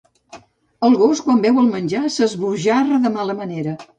El gos quan veu el menjar s'esbojarra de mala manera.